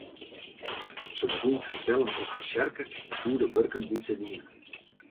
Se begûn te fertellen oer har tsjerke en de goede wurken dy't se dienen.